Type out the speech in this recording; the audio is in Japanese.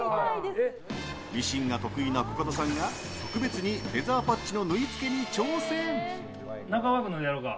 ミシンが得意なコカドさんが特別にレザーパッチの縫い付けに挑戦。